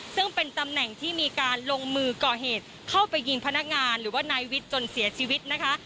ซึ่งเป็นตำแหน่งที่มีการลงมือก่อเหตุเข้าไปยิงพนักงานหรือว่านายวิทย์จนเสียชีวิตนะคะ